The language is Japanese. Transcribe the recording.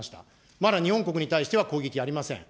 まだ日本国に対しては攻撃ありません。